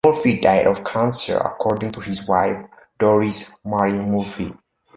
Murphy died of cancer, according to his wife, Doris Maher Murphy.